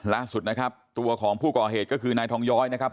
ล่าสุดนะครับตัวของผู้ก่อเหตุก็คือนายทองย้อยนะครับ